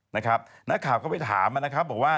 นักข่าวก็ไปถามนะครับบอกว่า